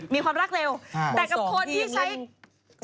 มีความรักเร็วแต่กับคนที่ใช้ม๒ยังเล่น